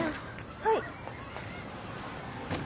はい。